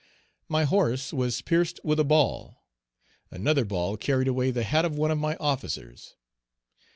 My horse was pierced with a ball; another ball carried away the hat of one of my officers.